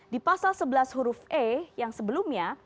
di pasal sebelas huruf e yang sebelumnya